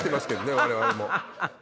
我々も。